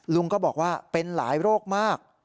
ลุงก็บอกว่าเป็นหลายโรคมาก